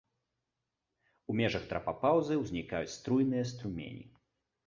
У межах трапапаўзы ўзнікаюць струйныя струмені.